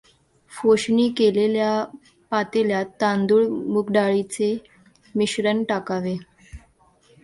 फोशणी केलेल्या पातेल्यात तांदूळ मुगडाळीचे मिश्रण टाकावे.